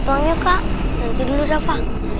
tuang yuk kak nanti dulu rafa